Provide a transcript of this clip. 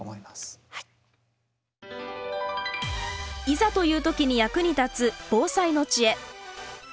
いざという時に役に立つ防災の知恵。